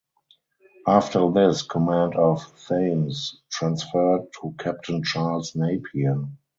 After this command of "Thames" transferred to Captain Charles Napier.